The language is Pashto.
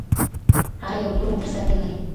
هغه يو زوړ موټرسايکل لري